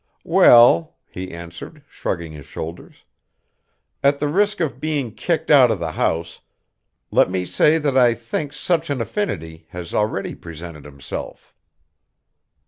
"Well," he answered, shrugging his shoulders, "at the risk of being kicked out of the house, let me say that I think such an affinity has already presented himself."